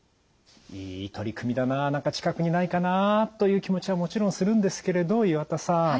いい取り組みだな何か近くにないかなという気持ちはもちろんするんですけれど岩田さん。